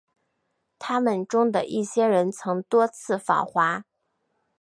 他们中的一些人曾多次访华。